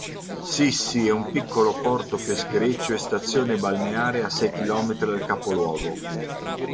Sissi è un piccolo porto peschereccio e stazione balneare a sei chilometri dal capoluogo.